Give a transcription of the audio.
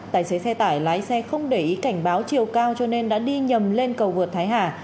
tài xế xe tải lái xe không để ý cảnh báo chiều cao cho nên đã đi nhầm lên cầu vượt thái hà